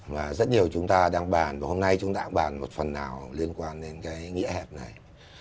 mà rất nhiều chúng ta đang bàn và hôm nay chúng ta cũng bàn một phần nào liên quan đến cái nghĩa hẹp này